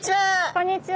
こんにちは。